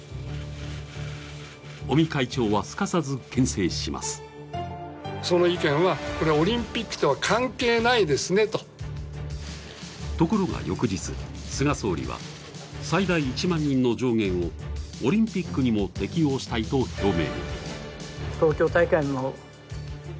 尾身会長は、すかさずけん制しますところが、翌日、菅総理は最大１万人の上限をオリンピックにも適用したいと表明。